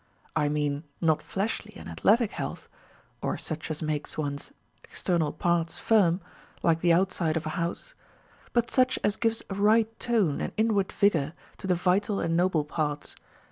I mean not fleshly and athletic health, or such as makes one's external parts firm, like the outside of a house, but such as gives a right tone and inward vigor to the vital and noble parts.